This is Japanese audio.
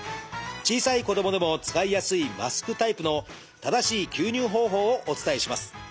小さい子どもでも使いやすいマスクタイプの正しい吸入方法をお伝えします。